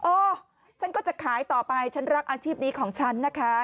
เออฉันก็จะขายต่อไปฉันรักอาชีพนี้ของฉันนะคะ